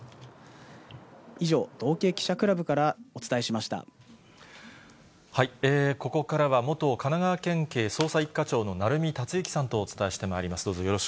以上、道警記者クラブからお伝えここからは、元神奈川県警捜査一課長の鳴海達之さんとお伝えしてまいります。